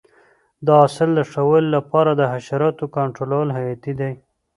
د حاصل د ښه والي لپاره د حشراتو کنټرول حیاتي دی.